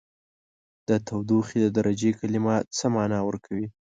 د تودوخې د درجې کلمه څه معنا ورکوي؟